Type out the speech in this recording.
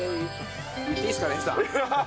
言っていいですか？